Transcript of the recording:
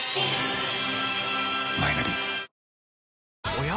おや？